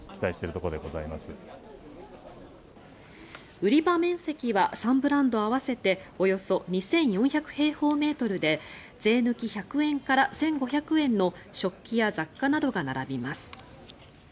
売り場面積は３ブランド合わせておよそ２４００平方メートルで税抜き１００円から１５００円の食器や雑貨などが並びます。